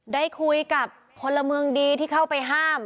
ได้คุยกับพลเมืองดีที่เข้าไปห้าม